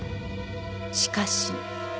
しかし